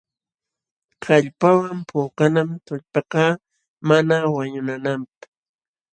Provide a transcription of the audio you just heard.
Kallpawan puukanam tullpakaq mana wañunanapq.